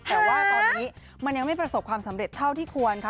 แต่ว่าตอนนี้มันยังไม่ประสบความสำเร็จเท่าที่ควรค่ะ